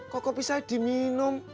kok kopi saya diminum